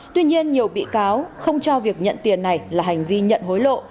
tuy nhiên nhiều bị cáo không cho việc nhận tiền này là hành vi nhận hối lộ